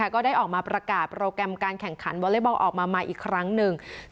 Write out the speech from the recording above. ก็ได้ออกมาประกาศโปรแกรมการแข่งขันวอเล็กบอลออกมาใหม่อีกครั้งหนึ่ง